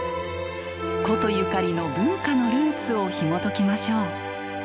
古都ゆかりの文化のルーツをひもときましょう。